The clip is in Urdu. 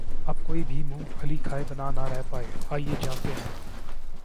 اب کوئی بھی مونگ پھلی کھائے بنا نہ رہ پائے آئیے جانتے ہیں